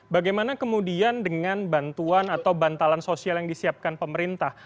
bagaimana kemudian dengan bantuan atau bantalan sosial yang disiapkan pemerintah